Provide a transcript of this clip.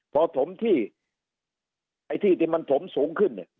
พอถมที่ไอ้ที่ที่มันถมสูงขึ้นเนี่ย